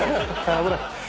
危ない。